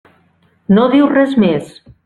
No diu res més.